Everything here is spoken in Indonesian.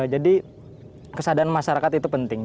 jadi kesadaran masyarakat itu penting